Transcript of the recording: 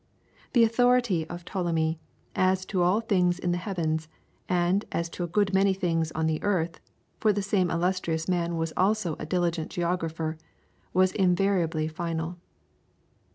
The authority of Ptolemy as to all things in the heavens, and as to a good many things on the earth (for the same illustrious man was also a diligent geographer), was invariably final.